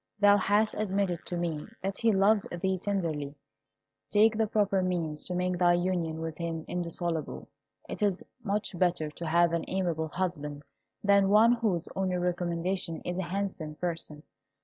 Thou hast admitted to me that he loves thee tenderly: take the proper means to make thy union with him indissoluble. It is much better to have an amiable husband than one whose only recommendation is a handsome person.